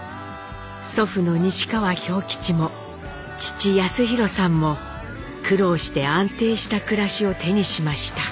祖父の西川兵吉も父康宏さんも苦労して安定した暮らしを手にしました。